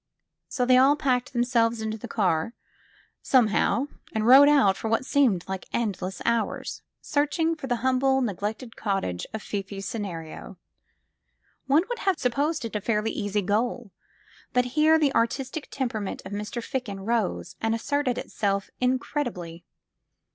So they all packed themselves into the car somehow and rode about for what seemed like endless hours, searching for the humble, neglected cottage of Fifi's scenario. One would have supposed it a fairly easy goal, but here the artistic temperament of Mr. Ficken rose and asserted itself incredibly.